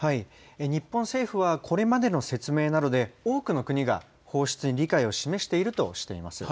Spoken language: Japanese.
日本政府はこれまでの説明などで多くの国が放出に理解を示しているとしています。